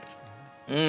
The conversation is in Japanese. うん。